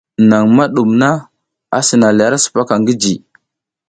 Naƞ ma ɗum na, a sina le ara sipaka ngi ji.